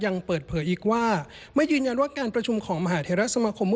ยังเปิดเผยอีกว่าไม่ยืนยันว่าการประชุมของมหาเทราสมาคม